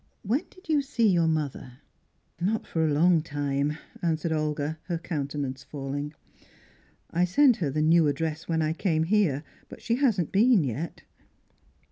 When did you see your mother?" "Not for a long time," answered Olga, her countenance falling. "I sent her the new address when I came here, but she hasn't been yet."